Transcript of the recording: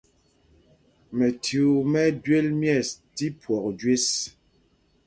Mɛchuu mɛ́ ɛ́ jwel ̀yɛ̂ɛs tí phwɔk jüés.